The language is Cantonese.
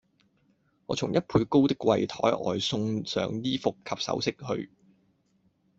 我從一倍高的櫃臺外送上衣服或首飾去，